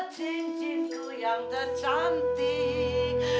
cincinku yang tercantik